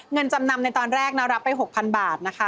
เงินจำนำในตอนแรกนะรับไป๖๐๐๐บาทนะคะ